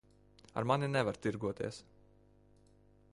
Ar mani nevar tirgoties.